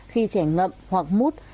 khi trẻ ngậm hoặc mút